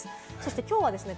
今日はですね